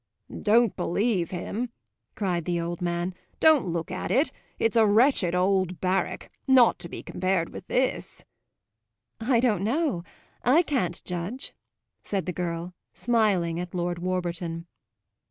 "Don't believe him," cried the old man; "don't look at it! It's a wretched old barrack not to be compared with this." "I don't know I can't judge," said the girl, smiling at Lord Warburton.